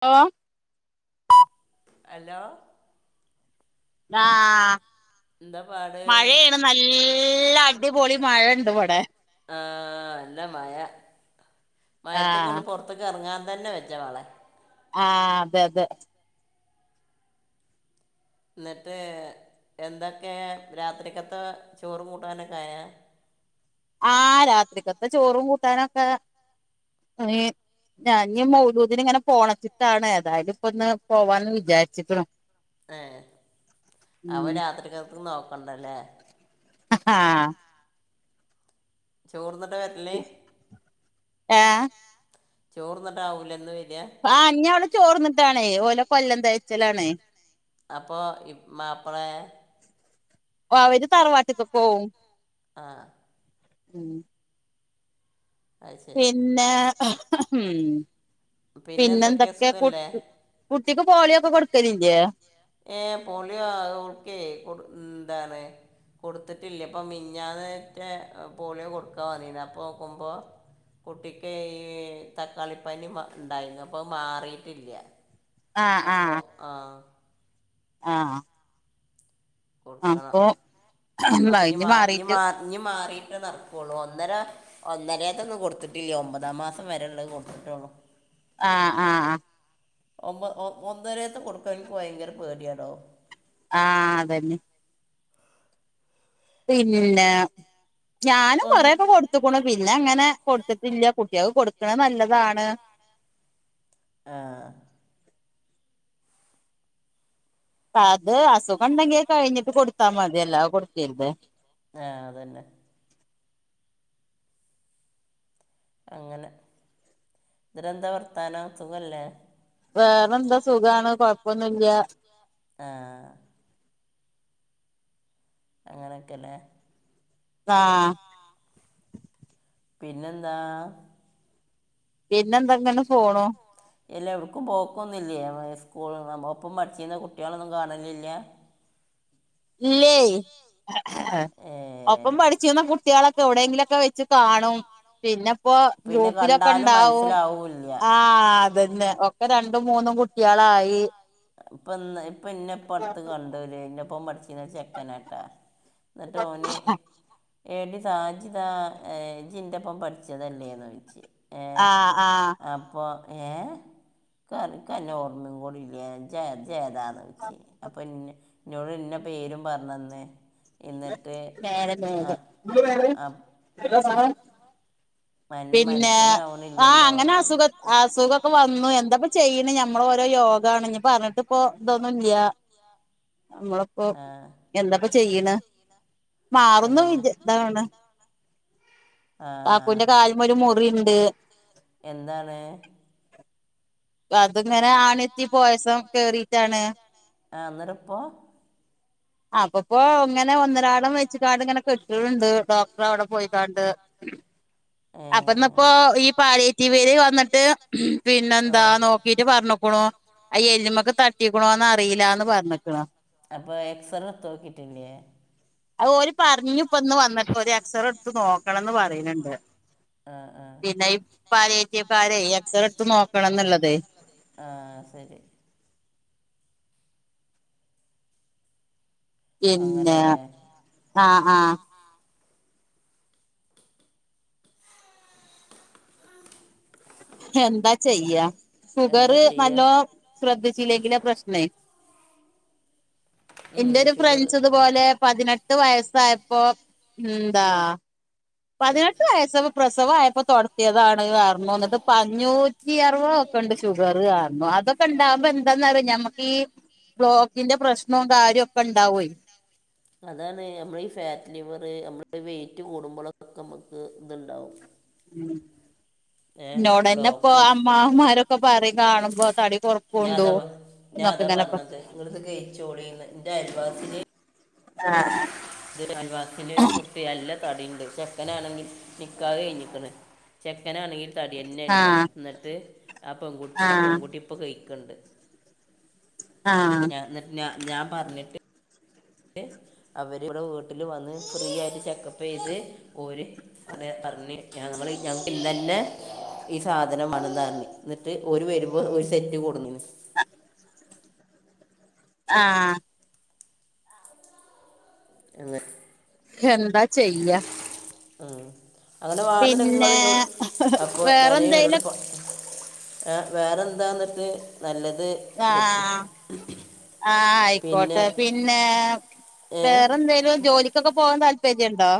ഓ hello ആഹ് എന്താ പാട് മഴയാണ് നല്ല എല്ല അടിപൊളി മഴണ്ട് ഇവിടെ. ആ ല്ല മഴ ആഹ് മയത്തൊക്കെണ്ട് പോ റത്ത് ഇപ്പൊ ഇറങ്ങാൻ തന്നെ വെജ്ജ മളെ ആഹ് അതെ അതെ. ഇന്നിട്ട് എന്തൊക്കെ രാത്രിക്കത്തെ ചോറും കൂട്ടാനൊക്കെ ആയോ. ആഹ് രാത്രിക്കത്തെ ചോറും കൂട്ടാനൊക്കെ [unintelligible] ണി ഞാൻ ഇഞ് മൗലൂദ്ന് ങ്ങനെ പോണച്ചിട്ടാണ് ഏതായാലും ഇപ്പൊ ഇന്ന് പോവാൻന്ന് വിചാരിക്ക്‌ണ് ഏഹ് അവ രാത്രികൊക്കും നോക്കണ്ടല്ലേ ആഹ് ചോർന്നിട്ട വരല് ഏഹ് ചോർന്നിട്ടാവൂലെ ഇന്ന് വര്യ ആ ഇഞ്ഞി അവള് ചോറ് ന്നിട്ടാണ് ഓലെ കൊല്ലം തയച്ചിലാണ്. അപ്പോഇപ് മാപ്പളെ ഓ അവര് തറവാട്ടിക്ക്‌ പോവും ആഹ് ഉം അത് ശരി പിന്നെ എഹ് ഹ് ഹും പിന്നെ എന്തൊക്കെയാ പിന്നെന്തൊക്കെ കുട് സുഖല്ലേ കുട്ടിക്ക് പോളിയൊക്കെ കൊടുക്കലില്ലേ ഏ പോളിയോ ഓൾക്കെകൊട് മ്മ് എന്താണ് കൊടുത്തിട്ടില്ല അപ്പം മിഞ്ഞാന്നറ്റെ പോളിയോ കൊടുക്കാൻ വന്നീന്നു അപ്പക്കുമ്പോ കുട്ടിക്കയ് തക്കാളിപ്പനി ഇണ്ടായിരുന്നു അപ്പഅത് മാറിട്ടില്ല ആഹ് അപ്പോ ആഹ് ആഹ് ആഹ് കൊടുക്കണം അപ്പൊ അപ്പൊ നീ ഇനി മാ ഇഞ് മ മാറിട്ട് മാഞ് മാറിട്ടേ നടക്കുവുള്ളൂ ഒന്നര ഒന്നരത്തൊന്നും കൊടുത്തിട്ടില്ല ഒമ്പതാ മാസം വരെള്ളത് കൊടുത്തിട്ടോള്ളൂ. ആഹ് ആഹ് ആഹ് ഒമ്പ ഒന്നരെത്തെ കൊടുക്കാൻ ഇനിക്ക് ഭയങ്കര പേടിയാടോ. ആഹ് അതന്നെ പിന്നെ ഞാനും ഒന്ന് കൊറേക്കെ കൊടു കൊടുത്തുക്ക്ണ്‌ പിന്നെ അങ്ങനെ കൊടുത്തിട്ടില്ല കുട്ടിആക്ക് കൊടുക്ണ നല്ലതാണ് ആഹാ.... ! അത് അസുഖം ഉണ്ടെങ്കി കഴിഞ്ഞിട്ട് കൊടുത്താൽ മതി എല്ലാ കൊട്ക്കര്ത് ആഹ് അതന്നെ അങ്ങനെ ഇന്നിട്ടെന്താ വർത്താനം സുഖല്ലേ. വേറെന്താ സുഖാണ് കൊഴപ്പൊന്നുല്യ. എഹ് അങ്ങനെക്കെല്ലേ. താ അഹ് പിന്നെന്താ പിന്നെ എന്താ ങ്ങനെ പോണു എല്ല എവിടക്കും പോക്കൊന്നില്ലേ സ്കൂൾ ഒപ്പം പഠിച്ചിര്ന്ന കുട്ടികളൊന്നും കാണലില്ല ഇല്ലേയ് ഏ ഒപ്പം പഠിച്ചിര്ന്ന കുട്ടികളൊക്കെ എവിടെയെങ്കിലും ഒക്കെ വെച്ച് കാണും പിന്നെ ഇപ്പൊ പിന്നെ ഗ്രൂപ്പിലൊക്കെ കണ്ടാലും ഉണ്ടാവും മനസ്സിലാവില്ല ആഹ് അതന്നെ ഒക്കെ രണ്ടും മൂന്നും കുട്ടികളായി ഇപ്പൊ ഇപ്പ ഇന്നെപ്പട്ത് കണ്ടോല് ഇന്നെപ്പം ഒപ്പം പഠിച്ചിന ചെക്കനാട്ടാ എന്നിട്ട് ഓന് എടി സാജിതാ ഏ ജിന്റെപ്പം പഠിച്ചതല്ലേന്ന് ചോദിച്ച് ഏഹ് ആഹ് ആഹ് അപ്പൊ ഏഹ് കൻ കന്നെ ഓർമ്മയും കൂടി ഇല്ല ജ ജേതാന്നോയിച് അപ്പൊ ഇന്ന ഇന്നോട് ഇന്ന പേരും പറഞ്ഞന്ന് എന്നിട്ട് നേരെ ആ നേരെ ആ മന പിന്നെ ആ മനസ്സിലാവണില്ലല്ലോ അങ്ങനെ എന്നാണ് അസുഖ അസുഖക്കെ വന്നു എന്താപ്പ ചെയ്യണ് ഞമ്മൾ ഓരോ യോഗാണ് ഞ്ഞിപ്പം അങ്ങട്ട്പ്പം ഇതൊന്നുംല്ല്യ നമ്മളപ്പോ ആ എന്താപ്പം ചെയ്യണ് മാറുന്ന് അതന്നെ വിചാ ഇതാവ്ണ് ആഹാ കാലിമ്മെ ഒരു മുറിണ്ട് എന്താണ്? അത്ങ്ങനെ ആണെത്തി പോയസം കേറിട്ടാണ്. ആഹ് അന്നേരം ഇപ്പോ അപ്പപ്പോ ഇങ്ങനെ ഒന്നരാടം വെച്ച് ങ്ങാണ്ട് ഇങ്ങനെ കെട്ട്ണണ്ട് ഡോക്ടറെ അവിടെ പോയിക്കാണ്ട് ഏ അപ്പൊന്നപ്പോ ഈ പാലിയേട്ടി വേര്- വന്നിട്ട് ആ പിന്നെന്താ നോക്കിട്ട് പറഞ്ഞോക്കണു. അയ്യല്ല്മ്മക്ക് തട്ടിക്ക്ണോന്ന് അറിയീലാന്ന് പറഞ്ഞിക്ക്ണ് അപ്പൊ എക്സറ എട്തോക്കിട്ടില്ലേ? അത് ഓല് പറഞ്പ്പന്ന് വന്നിട്ട് ഒരു എക്സറെ എടുത്ത് നോക്കണംന്ന് പറയ്ണണ്ട് ആഹ് ആഹ് പിന്നെ ഈ പാലിയേറ്റീവ്ക്കാരെ എക്സറെ എടുത്ത് നോക്കണം ന്ന്ള്ളതേ ആ സെരി പിന്നെ അങ്ങനല്ലേ ആഹ് ആഹ് ഹെന്താ ചെയ്യാ ഷുഗർ എന്താ ചെയ്യുക നല്ലോ ശ്രദ്ധിച്ചില്ലെങ്കില് പ്രശ്നേയി എന്റെ ഒരു ഷുഗർ ഫ്രണ്ട്സ് ഇതുപോലെ, പതിനെട്ട് വയസ്സായപ്പോ എന്താ, പതിനെട്ട് വയസ്സ പ്രസവായപ്പോ തൊട്ത്യതാണ് പറഞ്ഞു എന്നിട്ട് പ്പം അഞ്ഞൂ ഈ ആർവോക്കണ്ട് ഷുഗർ അറിഞ്ഞു അതൊക്കെ ഉണ്ടാവുമ്പൊ എന്താന്നറിയൊ ഞമ്മക്ക് ഈ ബ്ലോക്കിന്റെ പ്രശ്നവും കാര്യവും ഒക്കെ ണ്ടാവേ അതാണ് നമ്മള് ഈ ഫാറ്റ് ലിവറ് നമ്മള് വെയിറ്റ് കൂടുമ്പോളൊക്കെ നമ്മുക്ക് ഇത്ണ്ടാവും ഉം എന്നോടന്നെ ഇപ്പോ ബ്ലോക്കും അമ്മാമാരൊക്കെ പറയും, കാണുമ്പോ തടി. കൊറപ്പുണ്ടോ ഞാതാ പ എന്നൊക്കെ ഞാതാ ഇങ്ങനെ പറഞ്ഞത് നിങ്ങളിത് കയിച്ചോളീന്ന് എന്റെ അയൽവാസിനിം ആഹ് ആഹ് ഇത് അയൽവാസിന്റെ ഒരു കുട്ടി നല്ല തടിണ്ട് ചെക്കനാണെങ്കിൽ നിക്കാഹ്‌ കഴിഞ്ഞിക്ക്ണ് ചെക്കനാണെങ്കിൽ തടിന്നെല്ല്യ എന്നിട്ട് ആ പെൺകു ആ ആഹ് പെൺകുട്ടി ഇപ്പ കഴിക്ക്ണ്ട് ആഹ് ഞ എന്നിട്ട് ഞ ഞാൻ പറഞ്ഞിട്ട്. ട്ട് അവരിവിടെ വീട്ടിൽ വന്ന് ഫ്രീ ആയിട്ട് ചെക്കപ്പ് ചെയ്ത് ഓര് അതെ അറഞ്ഞ് ഞങ്ങ പറയും ഞങ്ങക്കിന്നന്നെ ഈ സാധനം വേണൊന്നറഞ്ഞ്. എന്നിട്ട് ഓര് വരുമ്പോ ഒരു സെറ്റ് കൊണുന്നേന്ന് ആഹ... ! അങ്ങെ [unintelligible] ഹെന്താ ചെയ്യാ ഉം അങ്ങനെ വാടന്ന രംഗങ്ങ പിന്നെ എന്നോട് അപ്പൊ ഞാനേ അവരോട് വേറെന്തേലും പോ [unintelligible] ആ വേറെ എന്താന്നിട്ട് നല്ലത് ആഹ് കൊടുത്തു ആഹ് ആ പിന്നെ ആയിക്കോട്ടെ പിന്നെ ഏ, വേറെന്തേലും ജോലി ഇതൊക്കെ പോവാൻ താല്പര്യണ്ടോ?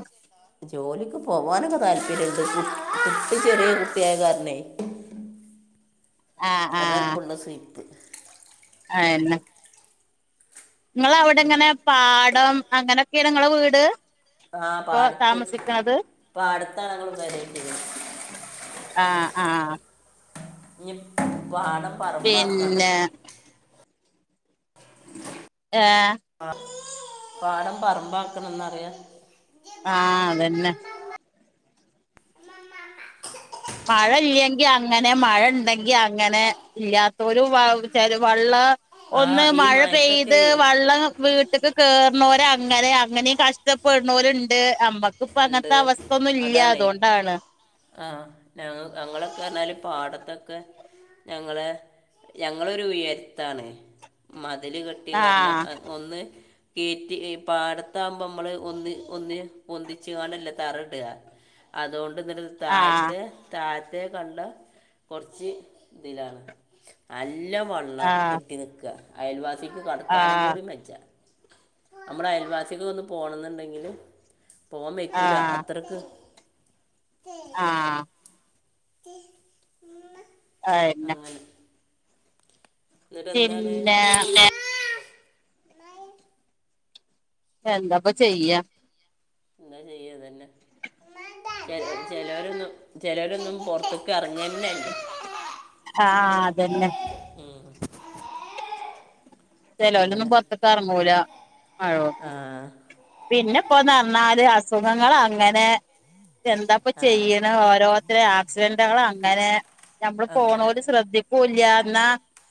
ജോലിക്ക് പോവാനൊക്കെ താല്പര്യണ്ട് കുട്ടി ചെറിയകുട്ടി ആയ കാരണേ ആഹ് അതാ പ്പുള്ള സീൻ. ആ എന്ന ഇങ്ങള് അവിടെ ഇങ്ങനെ പാടം അങ്ങനെയൊക്കെയാ ഇങ്ങളെ വീട്. ആ ഇപ്പൊ പാടത്ത് താമസിക്കണത് പാടത്താണ് ഞങൾ പെര കെട്ടിയേക്കണെ. ആ ആ ഞ്ഞി പാടം പറമ്പാക്കാൻണ്ട്. പിന്നെ ഏ ആ പാടം പറമ്പാക്കണന്ന് പറയാ. ആ അതന്നെ മഴ ഇല്ലെങ്കിൽ അങ്ങനെ. മഴ ഉണ്ടെങ്കി അങ്ങനെ. ഇല്ലാത്തോര് വ ചെര വള്ളാ ആ ഒന്ന് ഈ മഴ പെയ്ത് മയത്തൊക്കെ വെള്ളം വീ ട്ട്ക്ക് കേർണോരെ അങ്ങനെ. അങ്ങനെയും കഷ്ടപ്പെട്ണോര്ണ്ട്. അമ്പ ക്ക് ഇപ്പ ഉണ്ട് അങ്ങനത്തെ അവസ്ഥൊന്നും ഇല്ല അതാണേ അതുകൊണ്ടാണ്. ആ ഞങ്ങ ഞങ്ങളൊക്കെ പറഞ്ഞാല് പാടത്തൊക്കെ ഞങ്ങള് ഞങ്ങളൊരു ഉയരത്താണ് മതില് കെ ട്ടി കാരണ. ആഹ് അ ഒന്ന്. കേറ്റി പാടത്താക് മ്പൊ മ്മള് ഒന്ന് ഒന്ന് പൊന്തി ച്ച് കൊണ്ടല്ലെ തറ ഇട. അതുകൊണ്ട് ഇന്നട്ടത് ആഹ് താഴത്തെ താഴത്തെ കണ്ടം കൊറച്ച് ഇതിലാണ്. നല്ല വ ള്ളം ആഹ് കെട്ടി നിക്ക. അയൽവാസിക്ക് കടക്കാനും ആഹ് കൂടി ബെജാ നമ്മുടെ അയൽവാസിക്കൊന്ന് പോണംന്നുണ്ടെങ്കില് പോകാൻ വെക്കൂല ആഹ് അത്രക്ക് ആ ആ എന്നാ ന്നട്ട് എന്താണ്? പിന്നെ എന്താ ഇപ്പ ചെയ്യാ. എന്താ ചെയ്യാ ഇതന്നെ. ചെല ചെലോരൊന്നും ചെലോരൊന്നും പുറത്തക്ക് ഇറങ്ങന്നെ- ആ അതന്നെ. ഉം ചിലവരൊന്നും അങ്ങനെ പുറത്തക്ക് ഇറങ്ങൂല. മഴ ഒണ്ട് ആ പിന്നെപ്പോ നർഞാല് അസുഖങ്ങളങ്ങനെ എന്താപ്പ ആ ചെയ്യണെ ഓരോരു ത്രേ ആക്സ്ഡന്റ്കളാ അങ്ങനെ ഞമ്മള് അങ്ങനെ പോണോല് ശ്രദ്ധിക്കൂല്ല്യാ ന്നാ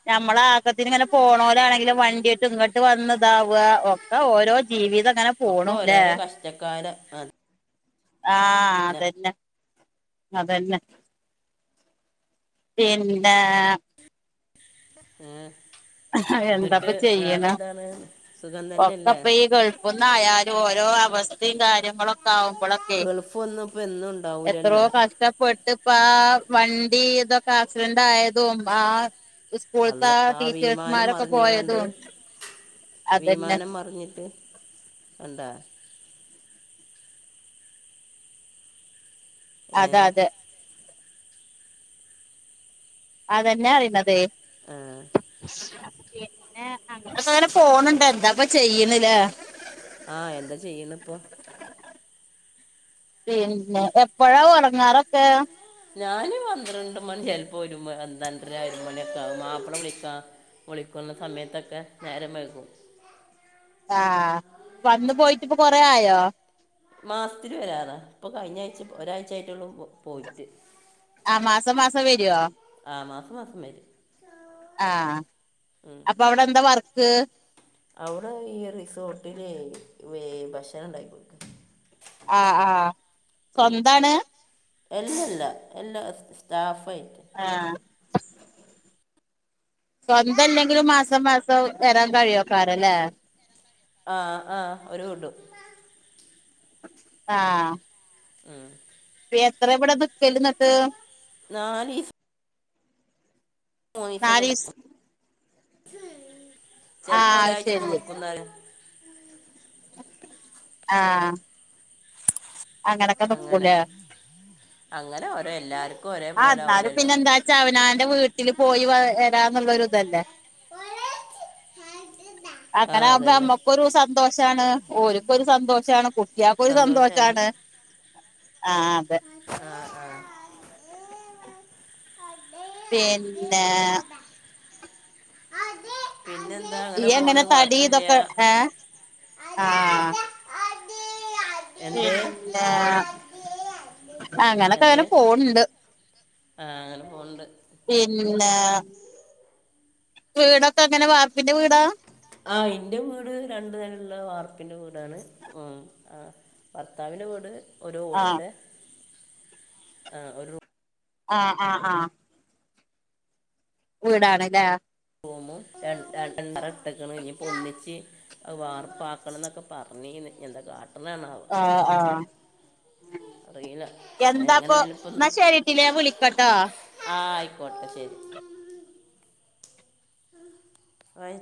ഞമ്മളെ ആക്കത്തിന് ഇങ്ങനെ പോണോലാണെങ്കിലും വണ്ട്യായ്ട്ടും ഇങ്ങട്ട് വന്ന് താവാ ഒക്കെ ഓരോ ജീവിതംങ്ങനെ ഒക്കാേരോരാെ കഷ്ടക്കാലം അഹ് ആഹ് അതെന്നെ അതെന്നെ പിന്നേ ഏഹ് എന്താപ്പ ചെയ്യ്ണെ സുഖം തന്നെയല്ലേ ഒക്കെപ്പ ഈ ഗൾ ഒന്നആയാലും ഓരോ അവസ്ഥി കാര്യങ്ങളും ആവുമ്പോളക്കെ ഗൾഫ് ഒന്നും ഇപ്പം എന്നും എത്രോ ഉണ്ടാവൂലല്ലോ കഷ്ടപ്പെട്ട് ഇപ്പാ വണ്ടി തൊക്കെ ആക്സിഡന്റ് ആയതും ആ സ്കൂള് ത്തെ ആ ടീ - വിമാനം മറിഞ്ഞുങ്ങണ്ട് അതന്നെ വിമാനം മ പർഞ്ഞിട്ട് എന്താ ഏ അത് അതെ അതെന്നെ അറീണതേ ആഹ് പിന്നെ ഞങ്ങൾതൊക്കങ്ങനെ പോണ്‌ണ്ട് എന്താപ്പ ചെയ്യ്ണ്ലേ ആഹ് എന്താ ചെയ്യ്ണ്പ്പം പിന്നെ എപ്പഴാ ഒറങ്ങാറൊക്കെ? ഞാന് പന്ത്രണ്ട് മണി ചിലപ്പോ ഒരു പന്ത്രണ്ടര ഒരു മണിക്കെ ആവും മാപ്പള വിളിക്കാ വിളിക്കുന്ന സമയത്തൊക്കെ നേരം വയ്കും ആഹ് വന്ന് പോയിട്ടിപ്പൊ കൊറേ ആയോ? മാസത്തിൽ വരാറാഇപ്പൊ കഴിഞ്ഞ ആഴ്ച ഒരാഴ്ച ആയിറ്റുള്ളൂ പോയിറ്റ് ആ മാസം മാസം വരുവോ ആ മാസം മാസം വരും ആഹ് ഉം. അപ്പൊ അവിടെ എന്താ വർക്ക് അവിടെ ഈ റിസോർട്ടില് ഭക്ഷണംണ്ടാക്കി കൊടുക്കാ ആ ആഹ് സ്വന്താണ് അല്ലല്ല എല്ലാ സ്റ്റാഫായിട്ട് ആഹ് സ്വന്തല്ലെങ്കിലും മാസം മാസം വരാൻ കഴിയോക്കാരല്ലേ ആ ആ ഒരു ഉടും ആഹ ഉം എത്ര ഇവിടെ നിക്കല്ന്ന്ട്ട് നാലീസം മൂനീസം കൊണ്ട് ത്തും. നാലീസം ചിലപ്പോ ആഹ് ഒരാഴ്ച ഒക്കെ ശരി നിക്കുന്നാലോ [inaudible] അങ്ങനൊക്കെ അങ്ങനെ നിക്കൂലേ അങ്ങനെ ഓരോ എല്ലാരും ആ ന്നാലും പിന്നെന്താച്ച അവനാന്റെ വീട്ടിൽ പോയി വരാന്നുള്ളൊ ഒരു ഇതല്ലേ [unintelligible] ആ അങ്ങനെ ആകുമ്പോ അതന്നെ നമ്മക്കൊരു സന്തോഷാണ് ഓരല്ക്കൊരു സന്തോഷാണ് കുട്ടിയേക്കൊരു സന്തോഷാണ് ആഹ് അതെ ആഹ് ആഹ് പിന്നെ അതെ പിന്നെന്താ അങ്ങനെ ഇയ്യ് എങ്ങനെ പണ് തടി കൊഴപ്പല്ലഅതാ ഇതൊക്കെ ഏഹ് അതാ ആഹ് പിന്നെ അങ്ങനൊക്കെ അങ്ങനെ പോണ് ണ്ട് ആഹ് അങ്ങനെ പോണ്‌ണ്ട് പിന്നെ വീടൊക്കെങ്ങനെ വാർപ്പിന്റെ വീടാ ആഹ് ഇന്റെ വീട് രണ്ടുനെലള്ളെ വാർപ്പിന്റെ വീടാണ് ഉ ആ ഭർത്താവിന്റെ വീട് ഒരു ആഹ് ഓടിട്ടെ ആ ഒരു ആആ ആ വീടാണ് ല്ലേ റൂമും രണ്ട് രണ്ട് തറട്ട്ക്കുണു ഇനിപ്പോ ഒന്നിച്ച് അത് വാർപ്പാക്കണം ന്നൊക്കെ പറഞ്ഞീന്ന് എന്താ കാട്ടണേ ണാവോ? ആഹ് ആഹ് അറിയില്ല എന്താപ്പൊ എങ്ങനെയായാലും ഇപ്പം ന്നാ ശരിട്ടിലെ വിളിക്കട്ടോ ആയിക്കോട്ടെ ശരി. അഹ്.